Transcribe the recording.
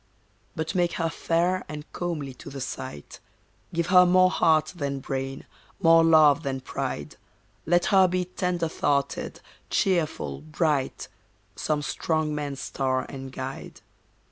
But make her fair and comely to the sight, Give her more heart than brain, more love than pride. Let her be tender thoughted, cheerful, bright, Some strong man's star and guide.